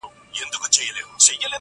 چي له تا مخ واړوي تا وویني,